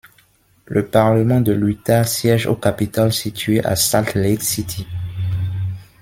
Le parlement de l'Utah siège au Capitole situé à Salt Lake City.